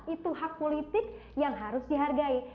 itu hak politik yang harus dihargai